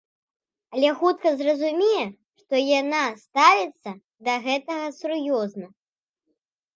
Але хутка зразумеў, што яна ставіцца да гэтага сур'ёзна.